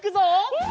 うん。